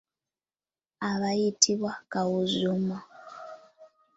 Aba ayitibwa Kawuuzuumo.